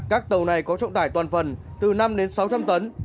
các tàu này có trọng tải toàn phần từ năm đến sáu trăm linh tấn